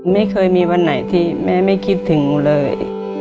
ไม่เคยมีวันไหนที่แม่ไม่คิดถึงหนูเลย